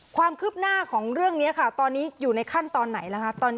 ความคืบหน้าของเรื่องนี้ค่ะตอนนี้อยู่ในขั้นตอนไหนล่ะคะ